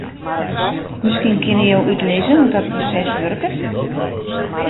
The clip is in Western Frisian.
Miskien kinne jo útlizze hoe't dat proses wurket?